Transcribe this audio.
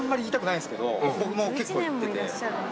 僕も結構行ってて。